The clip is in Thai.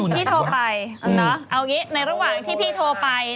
พี่โทรไปเอาอย่างนี้ในระหว่างที่พี่โทรไป